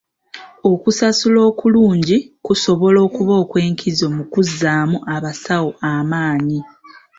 Okusasula okulungi kusobola okuba okw'enkizo mu kuzzaamu abasawo amaanyi .